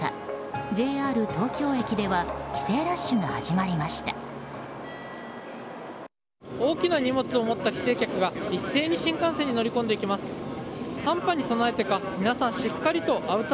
ＪＲ東京駅では帰省ラッシュが始まりました。